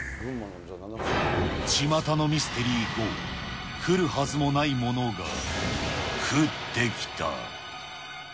ちまたのミステリー５、降るはずもないものが降ってきた。